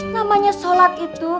namanya sholat itu